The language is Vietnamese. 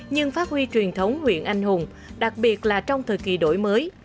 nhưng phát huy truyền thống huyện anh hùng đặc biệt là trong thời kỳ đổi mới